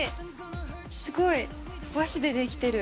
すごい和紙で出来てる。